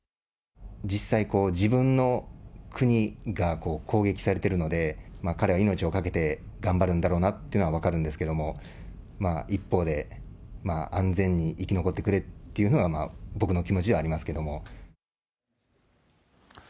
実際、こう、自分の国が攻撃されているので、彼は命を懸けて頑張るんだろうなというのは分かるんですけれども、一方で、安全に生き残ってくれっていうのは、僕の気持ちではありますけれども。